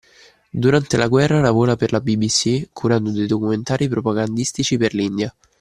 Durante la guerra lavora per la BBC curando dei documentari propagandistici per l'India.